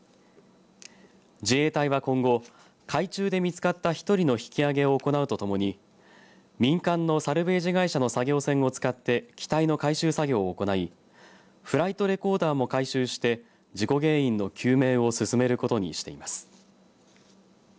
自衛隊は今後海中で見つかった１人の引きあげを行うとともに民間のサルベージ会社の作業船を使って機体の回収作業を行いフライトレコーダーも回収して事故原因の究明を進めることにしています。